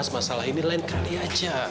masalah ini lain kali aja